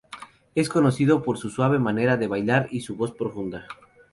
Es conocido por su suave manera de bailar y su voz profunda.